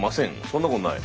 そんなことない？